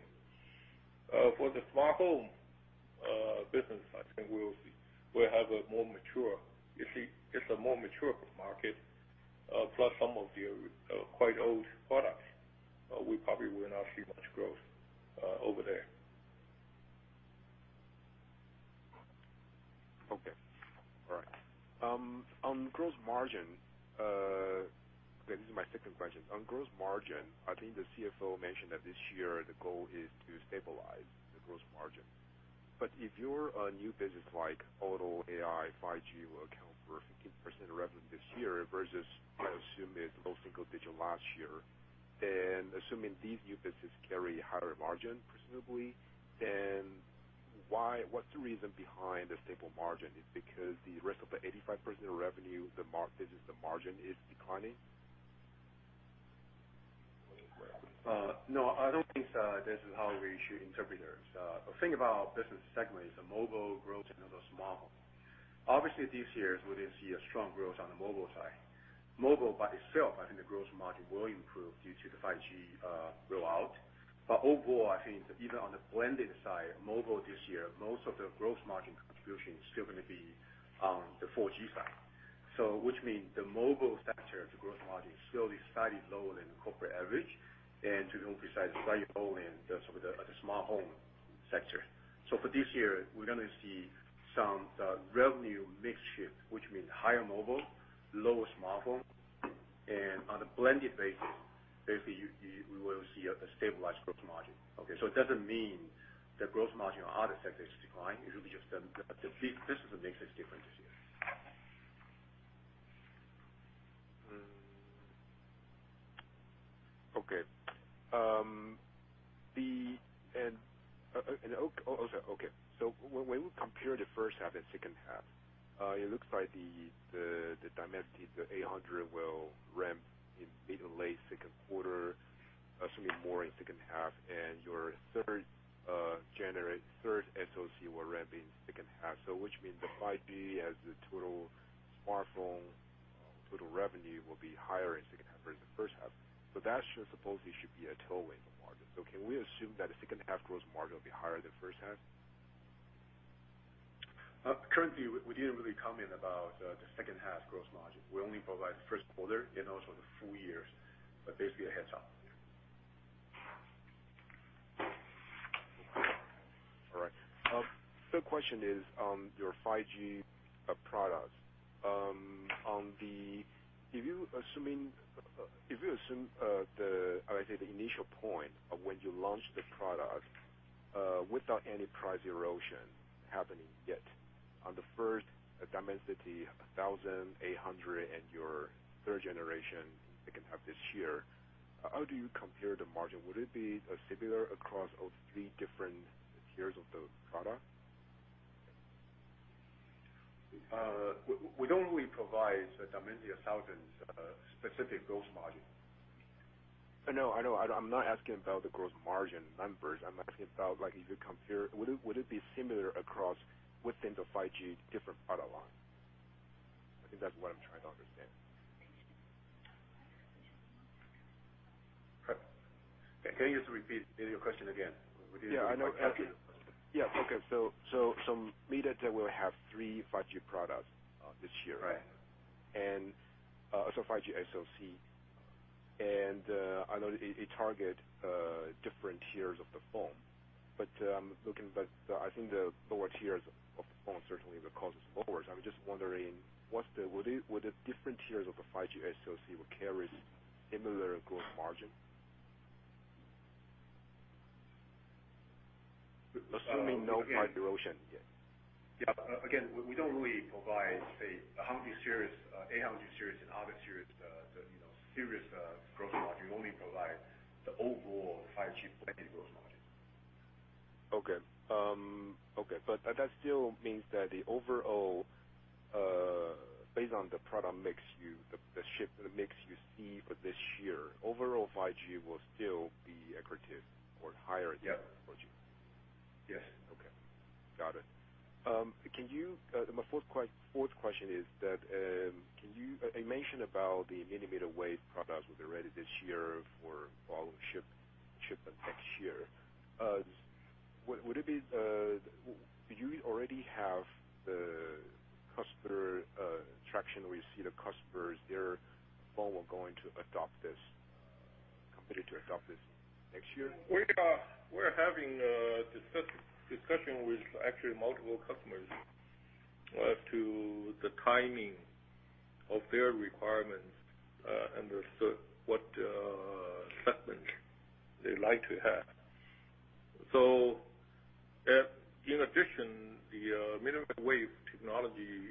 For the smartphone business, I think we'll have a more mature, you see, it's a more mature market, plus some of the quite old products. We probably will not see much growth over there. Okay. All right. On gross margin, this is my second question. On gross margin, I think the CFO mentioned that this year, the goal is to stabilize the gross margin. If your new business, like auto, AI, 5G, will account for 15% of revenue this year versus, I assume it's low single digit last year. Assuming these new business carry higher margin, presumably, then what's the reason behind the stable margin? Is it because the rest of the 85% of revenue, the margin is declining? No, I don't think this is how we should interpret it. Think about business segment, the mobile growth and the smartphone. Obviously, this year, we didn't see a strong growth on the mobile side. Mobile by itself, I think the gross margin will improve due to the 5G rollout. Overall, I think even on the blended side, mobile this year, most of the gross margin contribution is still going to be on the 4G side. Which means the mobile sector, the gross margin is still slightly lower than the corporate average, and to comprise value in the sort of the smartphone sector. For this year, we're going to see some revenue mix shift, which means higher mobile, lower smartphone, and on a blended basis, basically, we will see a stabilized gross margin. Okay, it doesn't mean the gross margin on other sectors decline. It will be just the business mix is different this year. Okay. When we compare the first half and second half, it looks like the Dimensity 800 will ramp in late second quarter, assuming more in second half, and your third SoC will ramp in second half. Which means the 5G as the total smartphone total revenue will be higher in second half versus first half. That supposedly should be a tailwind for margin. Can we assume that the second half gross margin will be higher than first half? Currently, we didn't really comment about the second half gross margin. We only provide the first quarter and also the full years, but basically a heads up. All right. Third question is on your 5G products. If you assume, how I say, the initial point of when you launch the product, without any price erosion happening yet. On the first Dimensity, the Dimensity 1000 and your third generation second half this year, how do you compare the margin? Would it be similar across all three different tiers of the product? We don't really provide the Dimensity 1000 specific gross margin. I know. I'm not asking about the gross margin numbers. I'm asking about, like, if you compare, would it be similar across within the 5G different product lines? I think that's what I'm trying to understand. Can you just repeat your question again? Yeah. I know. Repeat the question. Yeah. Okay. MediaTek will have three 5G products this year. Right. 5G SoC. I know they target different tiers of the phone, but I think the lower tiers of the phone certainly the cost is lower. I'm just wondering, would the different tiers of the 5G SoC will carry similar gross margin? Assuming no price erosion yet. Yeah. We don't really provide, say, how many series, 800 series and other series, the serious gross margin, we only provide the overall 5G planning gross margin. Okay. That still means that the overall, based on the product mix, the mix you see for this year, overall 5G will still be accretive or higher than 4G. Yes. Okay. Got it. My fourth question is that, you mentioned about the millimeter wave products will be ready this year for volume shipment next year. Do you already have the customer traction where you see the customers, their phone will going to adopt this, committed to adopt this next year? We're having a discussion with actually multiple customers as to the timing of their requirements, and what segment they like to have. In addition, the millimeter wave technology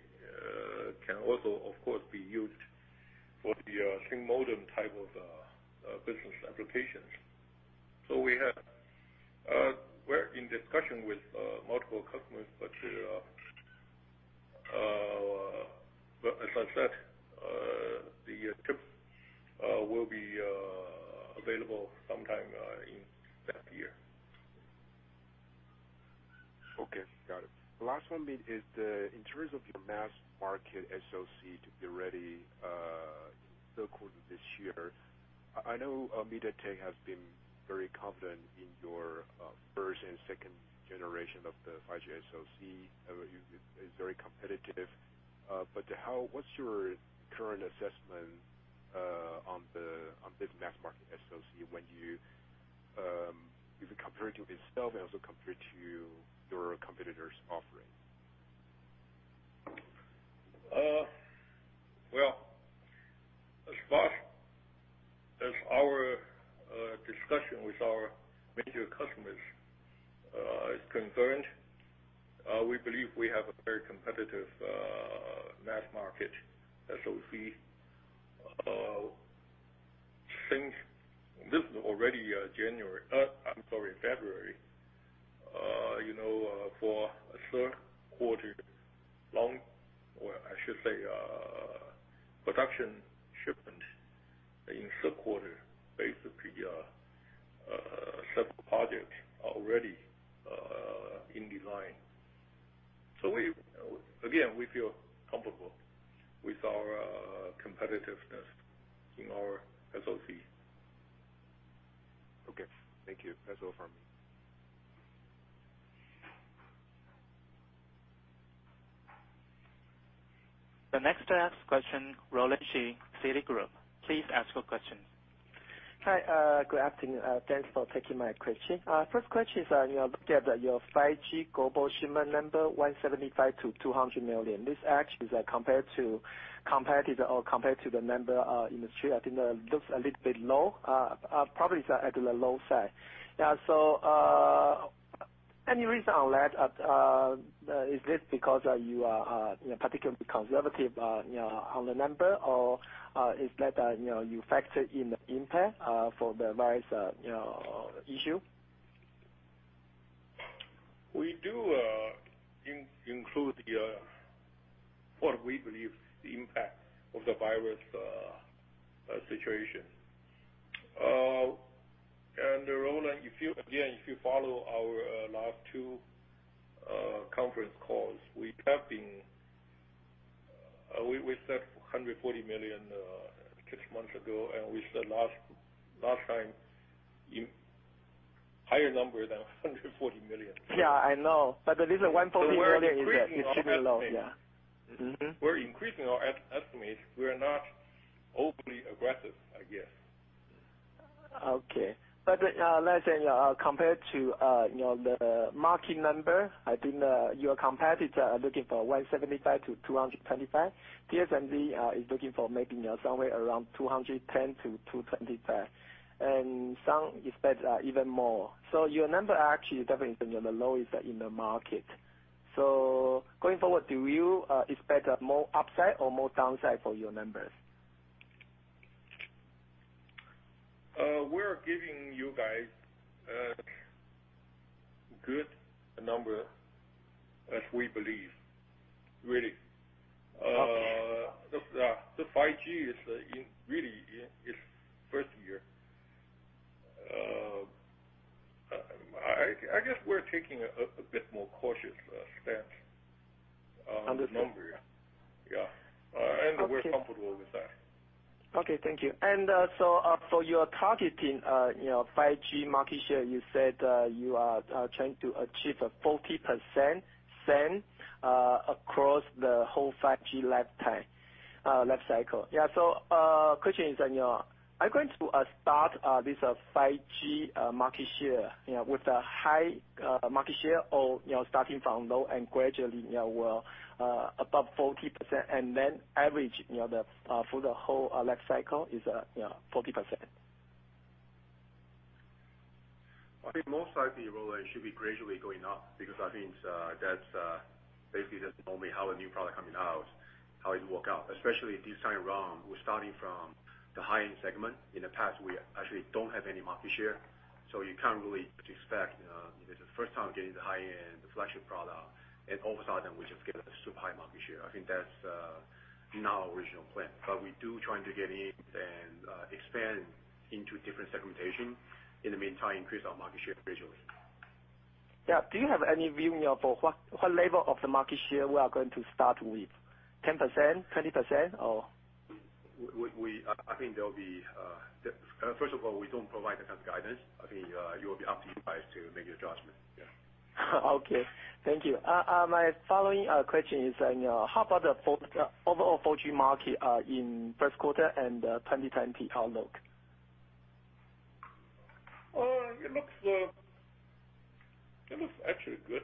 can also, of course, be used for the single modem type of business applications. We're in discussion with multiple customers, but as I said, the chip will be available sometime in that year. Okay. Got it. The last one is in terms of your mass market SoC to be ready in third quarter this year. I know MediaTek has been very confident in your first and second generation of the 5G SoC, is very competitive. What's your current assessment on this mass market SoC, if you compare it to itself, and also compare it to your competitors' offerings? Well, as far as our discussion with our major customers is concerned, we believe we have a very competitive mass market SoC. Since this is already February, for a third quarter long, or I should say, production shipment in third quarter, basically several projects are already in design. Again, we feel comfortable with our competitiveness in our SoC. Okay. Thank you. That's all from me. The next to ask question, Roland Shu, Citigroup. Please ask your question. Hi, good afternoon. Thanks for taking my question. First question is, looking at your 5G global shipment number, 175 million-200 million. This actually is compared to the number in the street, I think that looks a little bit low. Probably it's at the low side. Yeah. Any reason on that? Is this because you are particularly conservative on the number, or is that you factor in the impact for the virus issue? We do include what we believe is the impact of the virus situation. Roland, again, if you follow our last two conference calls, we have been We said 140 million six months ago, we said last time, higher number than 140 million. Yeah, I know, the reason 140 million is that it should be low. Yeah. We're increasing our estimates. We are not overly aggressive, I guess. Okay. Compared to the market number, I think your competitors are looking for 175 million-225 million. TSMC is looking for maybe somewhere around 210 million-225 million, and some expect even more. Your number actually definitely is the lowest in the market. Going forward, do you expect more upside or more downside for your numbers? We're giving you guys good number as we believe, really. Okay. The 5G is really in its first year. I guess we're taking a bit more cautious stance on the number. Understood. Yeah. We're comfortable with that. Okay, thank you. You are targeting 5G market share, you said you are trying to achieve a 40% share across the whole 5G lifecycle. Yeah, question is, are you going to start this 5G market share with a high market share or starting from low and gradually above 40%, and then average for the whole lifecycle is 40%? I think most likely rollout should be gradually going up because I think that's basically just normally how a new product coming out, how it work out. Especially this time around, we're starting from the high-end segment. In the past, we actually don't have any market share, so you can't really expect, if it's the first time getting the high-end, the flagship product, and all of a sudden, we just get a super high market share. I think that's not our original plan. We do try to get in and expand into different segmentation. In the meantime, increase our market share gradually. Yeah. Do you have any view for what level of the market share we are going to start with, 10%, 20%, or? First of all, we don't provide that kind of guidance. I think you will be up to you guys to make the judgment. Yeah. Okay. Thank you. My following question is, how about the overall 4G market in first quarter and 2020 outlook? It looks actually good.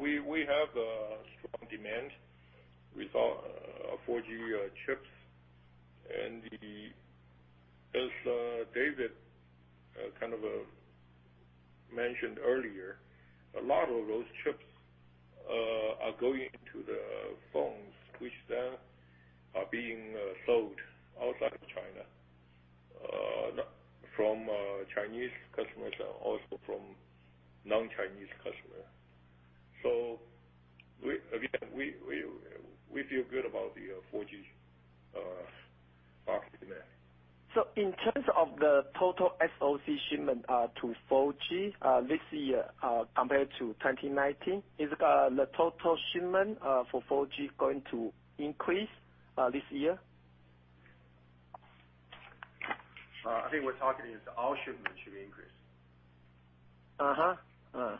We have a strong demand with our 4G chips. As David kind of mentioned earlier, a lot of those chips are going into the phones, which then are being sold outside of China. From Chinese customers and also from non-Chinese customers. We feel good about the 4G market demand. In terms of the total SoC shipment to 4G this year compared to 2019, is the total shipment for 4G going to increase this year? I think we're talking is all shipment should increase. Uh-huh.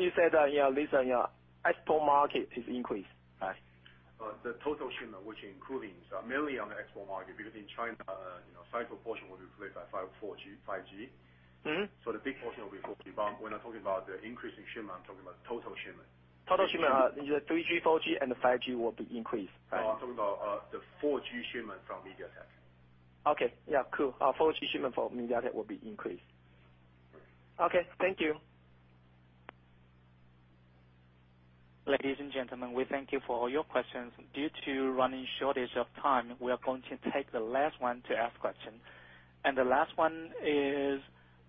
You said, recent export market is increased, right? The total shipment, which including mainly on the export market. Because in China, 5G proportion will be replaced by 4G, 5G. The big portion will be 4G. We're not talking about the increase in shipment, I'm talking about total shipment. Total shipment, the 3G, 4G, and 5G will be increased, right? No, I'm talking about the 4G shipment from MediaTek. Okay. Yeah, cool. 4G shipment for MediaTek will be increased. Okay, thank you. Ladies and gentlemen, we thank you for all your questions. Due to running short of time, we are going to take the last one to ask a question. The last one is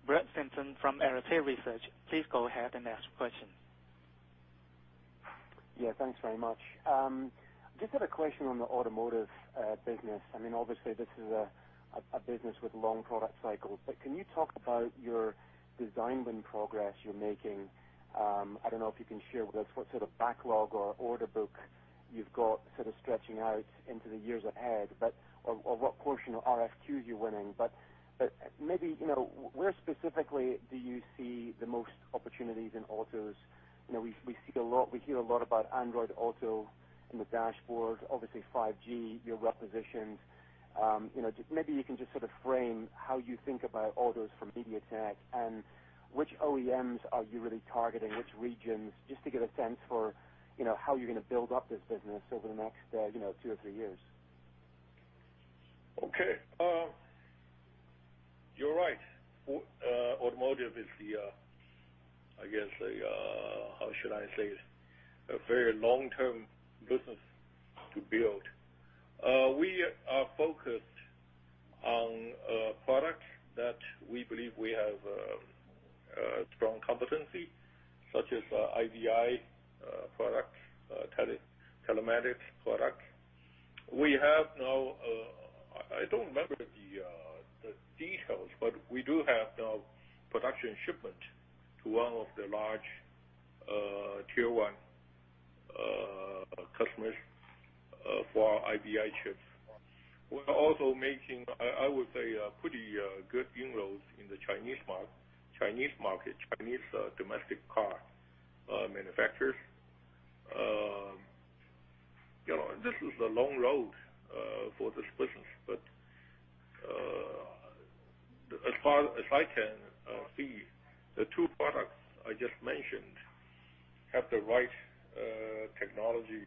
Brett Simpson from Arete Research. Please go ahead and ask your question. Yeah, thanks very much. Just had a question on the automotive business. Can you talk about your design win progress you're making? I don't know if you can share with us what sort of backlog or order book you've got sort of stretching out into the years ahead, or what portion of RFQs you're winning. Maybe, where specifically do you see the most opportunities in autos? We hear a lot about Android Auto in the dashboard, obviously 5G, you're well-positioned. Maybe you can just sort of frame how you think about autos for MediaTek and which OEMs are you really targeting, which regions, just to get a sense for how you're going to build up this business over the next two or three years. Okay. You're right. Automotive is a very long-term business to build. We are focused on a product that we believe we have a strong competency, such as IVI product, telematics product. We have now, we do have the production shipment to one of the large tier 1 customers for our IVI chips. We're also making pretty good inroads in the Chinese market, Chinese domestic car manufacturers. This is a long road for this business, as far as I can see, the two products I just mentioned have the right technology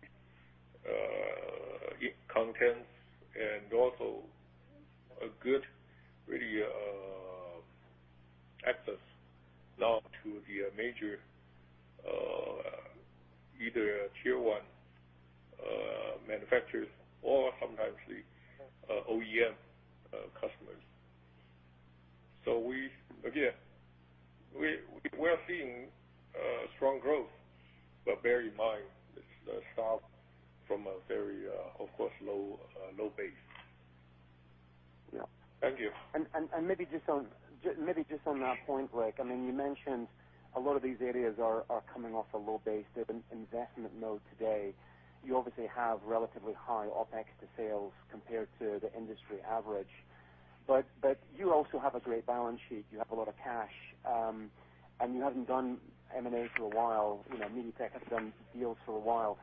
in contents and also a good access now to the major, either tier 1 manufacturers or sometimes the OEM customers. We, again, we're seeing strong growth. Bear in mind, it starts from a very low base. Yeah. Thank you. Maybe just on that point, Rick, you mentioned a lot of these areas are coming off a low base. They're in investment mode today. You obviously have relatively high OpEx to sales compared to the industry average. You also have a great balance sheet. You have a lot of cash. You haven't done M&A for a while. MediaTek hasn't done deals for a while.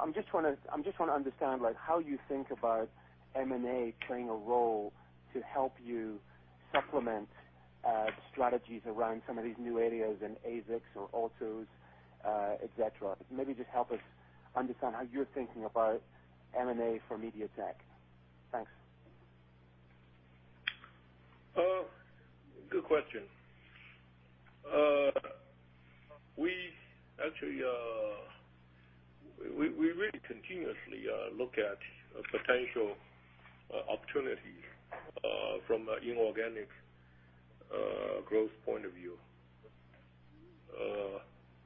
I'm just wondering, I'm just wanting to understand how you think about M&A playing a role to help you supplement strategies around some of these new areas in ASICs or autos, et cetera. Maybe just help us understand how you're thinking about M&A for MediaTek. Thanks. Good question. We actually really continuously look at potential opportunities from an inorganic growth point of view.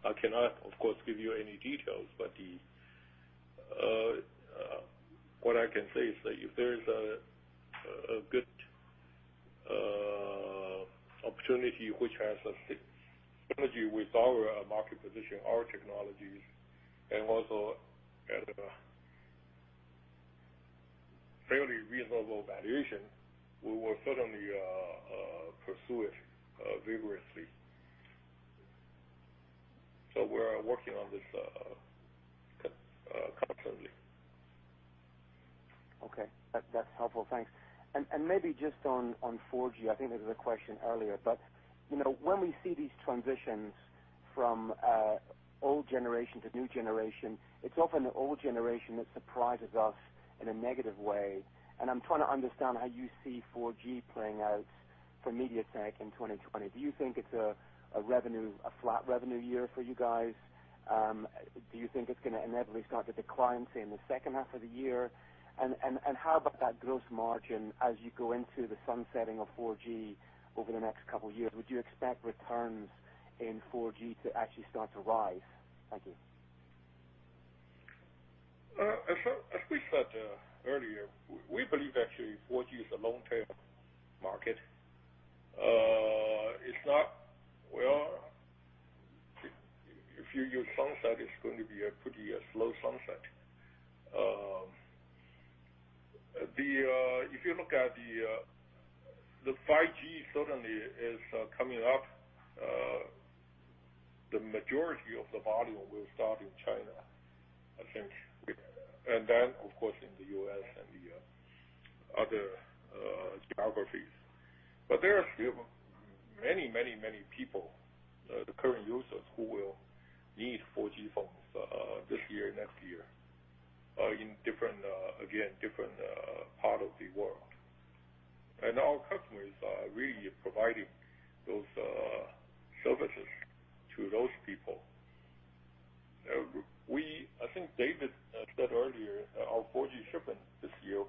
I cannot, of course, give you any details. What I can say is that if there's a good opportunity which has a synergy with our market position, our technologies, and also at a fairly reasonable valuation, we will certainly pursue it vigorously. We're working on this constantly. Okay. That's helpful. Thanks. Maybe just on 4G, I think there was a question earlier, but when we see these transitions from old generation to new generation, it's often the old generation that surprises us in a negative way, and I'm trying to understand how you see 4G playing out for MediaTek in 2020. Do you think it's a flat revenue year for you guys? Do you think it's going to inevitably start to decline, say, in the second half of the year? How about that gross margin as you go into the sunsetting of 4G over the next couple of years? Would you expect returns in 4G to actually start to rise? Thank you. As we said earlier, we believe actually 4G is a long-term market. If you use sunset, it's going to be a pretty slow sunset. If you look at the 5G, certainly is coming up. The majority of the volume will start in China, I think. Then, of course, in the U.S. and the other geographies. There are still many people, the current users, who will need 4G phones this year, next year, in different part of the world. Our customers are really providing those services to those people. I think David said earlier, our 4G shipment this year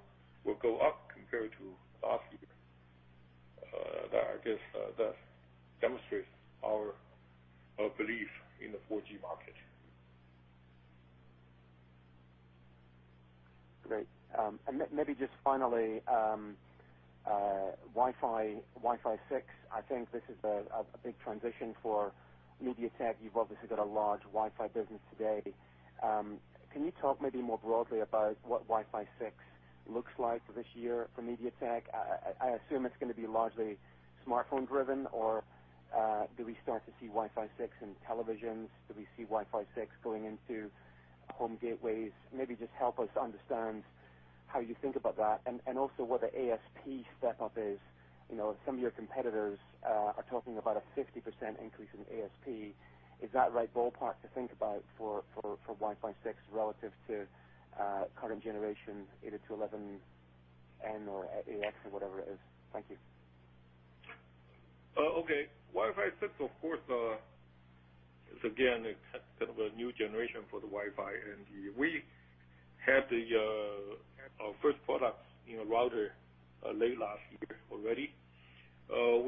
will go up compared to last year. That, I guess, demonstrates our belief in the 4G market. Great. Maybe just finally, Wi-Fi 6, I think this is a big transition for MediaTek. You've obviously got a large Wi-Fi business today. Can you talk maybe more broadly about what Wi-Fi 6 looks like this year for MediaTek? I assume it's going to be largely smartphone driven, or do we start to see Wi-Fi 6 in televisions? Do we see Wi-Fi 6 going into home gateways? Maybe just help us understand how you think about that, and also what the ASP step-up is. Some of your competitors are talking about a 50% increase in ASP. Is that right ballpark to think about for Wi-Fi 6 relative to current generation, 802.11ac or ax or whatever it is? Thank you. Okay. Wi-Fi 6, of course, is again, kind of a new generation for the Wi-Fi, and we have our first products in a router late last year already. Of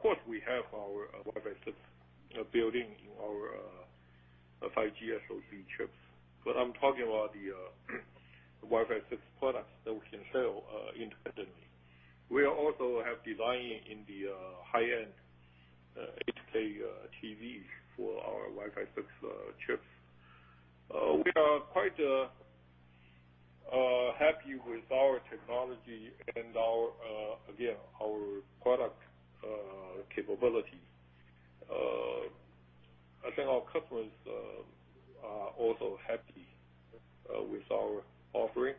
course, we have our Wi-Fi 6 building in the 5G SoC chips. I'm talking about the Wi-Fi 6 products that we can sell independently. We also have design in the high-end 8K TVs for our Wi-Fi 6 chips. We are quite happy with our technology and, again, our product capabilities. I think our customers are also happy with our offering.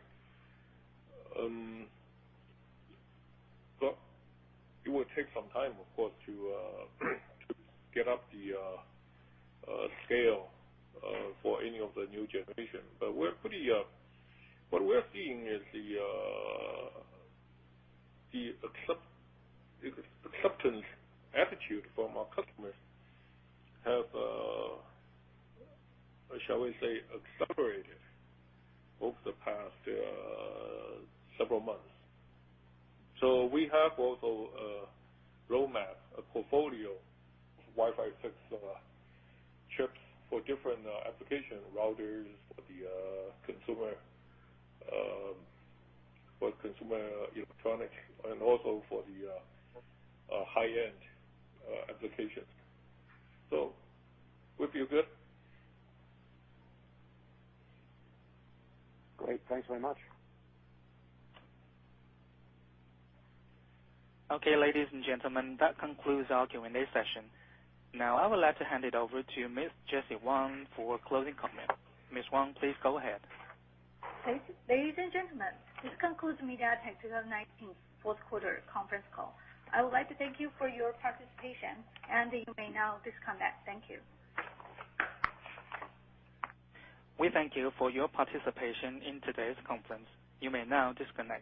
It will take some time, of course, to get up the scale for any of the new generation. What we're seeing is the acceptance attitude from our customers have, shall we say, accelerated over the past several months. We have also a roadmap, a portfolio of Wi-Fi 6 chips for different application routers for the consumer electronics and also for the high-end applications. With you, good? Great. Thanks very much. Okay, ladies and gentlemen, that concludes our Q&A session. I would like to hand it over to Miss Jessie Wang for closing comments. Miss Wang, please go ahead. Thank you. Ladies and gentlemen, this concludes MediaTek's 2019 fourth quarter conference call. I would like to thank you for your participation, and you may now disconnect. Thank you. We thank you for your participation in today's conference. You may now disconnect.